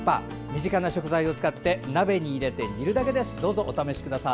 身近な食材を使って鍋に入れて煮るだけです。